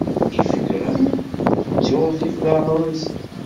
Ifekren yettiɣzif leɛmeṛ-nsen.